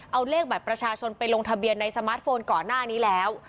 เอาเลขบัตรประชาชนไปลงทะเบียนในสมาร์ทโฟนก่อนหน้านี้แล้ว